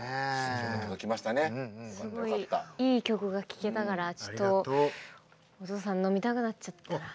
すごいいい曲が聴けたからちょっとお父さん飲みたくなっちゃったな。